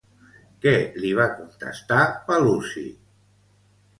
Què li va contestar Paluzi?